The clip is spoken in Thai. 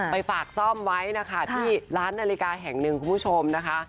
ฝากซ่อมไว้นะคะที่ร้านนาฬิกาแห่งหนึ่งคุณผู้ชมนะคะ